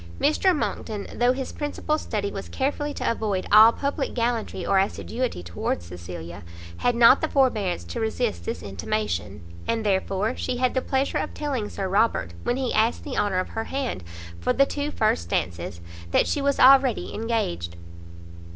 Mr Monckton, though his principal study was carefully to avoid all public gallantry or assiduity towards Cecilia, had not the forbearance to resist this intimation, and therefore she had the pleasure of telling Sir Robert, when he asked the honour of her hand for the two first dances, that she was already engaged.